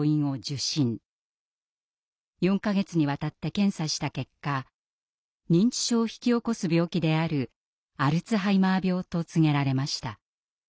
４か月にわたって検査した結果認知症を引き起こす病気であるアルツハイマー病と告げられました。